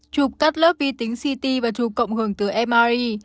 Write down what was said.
trục cắt lớp vi tính ct và trục cộng hưởng từ mri